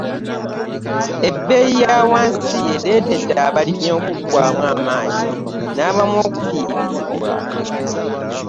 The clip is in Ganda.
Bbeeyi ya wansi ereetedde abalimi okuggwaamu amaanyi n'abamu okufiirizibwa.